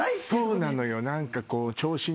そうなのよ。